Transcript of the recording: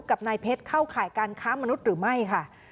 กับนายเพชรเข้าข่ายการค้ามนุษย์หรือไม่ค่ะ